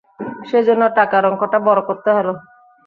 সেইজন্যে টাকার অঙ্কটাকে বড়ো করতে হল।